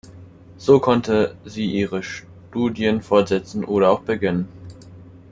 So konnten sie ihre Studien fortsetzen oder auch beginnen.